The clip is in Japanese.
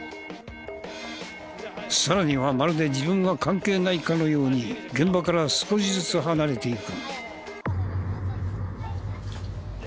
さらにはまるで自分は関係ないかのように現場から少しずつ離れていく。